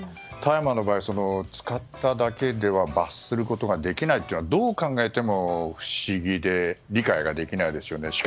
大麻の場合使っただけでは罰することができないというのはどう考えても不思議で理解ができないですね。